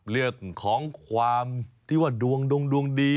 เรื่องของความที่ว่าดวงดงดวงดี